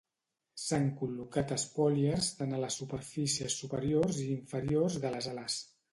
S'han col·locat espòilers tant a les superfícies superiors i inferiors de les ales.